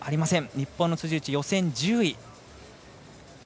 日本の辻内、予選１０位。